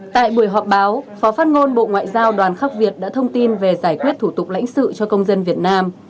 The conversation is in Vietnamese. tại buổi họp báo phó phát ngôn bộ ngoại giao đoàn khắc việt đã thông tin về giải quyết thủ tục lãnh sự cho công dân việt nam